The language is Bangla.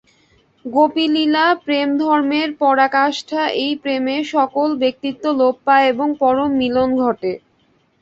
গোপীলীলা প্রেমধর্মের পরাকাষ্ঠা, এই প্রেমে সকল ব্যক্তিত্ব লোপ পায় এবং পরম মিলন ঘটে।